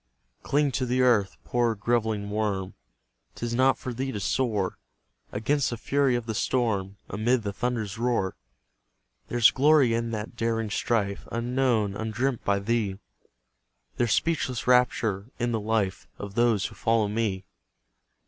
"Cling to the earth, poor grovelling worm; 'Tis not for thee to soar Against the fury of the storm, Amid the thunder's roar! There's glory in that daring strife Unknown, undreamt by thee; There's speechless rapture in the life Of those who follow me.